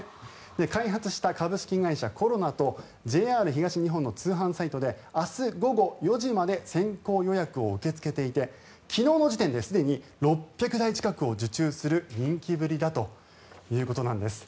開発した株式会社コロナとＪＲ東日本の通販サイトで明日午後４時まで先行予約を受け付けていて昨日の時点ですでに６００台近くを受注する人気ぶりだということなんです。